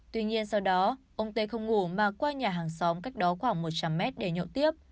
tuy nhiên sau đó ông tê không ngủ mà qua nhà hàng xóm cách đó khoảng một trăm linh mét để nhậu tiếp